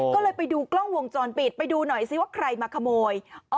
ก็เลยไปดูกล้องวงจรปิดไปดูหน่อยซิว่าใครมาขโมย